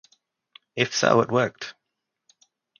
If so, it worked.